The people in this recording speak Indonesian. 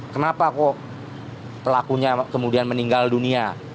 kenapa kok pelakunya kemudian meninggal dunia